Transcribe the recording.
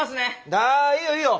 あいいよいいよ。